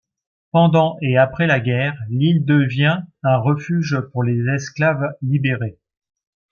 Pendant et après la guerre, l'île devient un refuge pour les esclaves libérés.